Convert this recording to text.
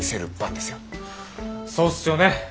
そうっすよね。